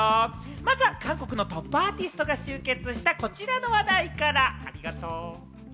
まずは韓国のトップアーティストが集結した、こちらの話題から。